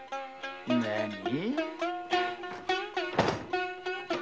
なに？